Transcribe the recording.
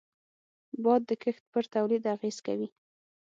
باد د کښت پر تولید اغېز کوي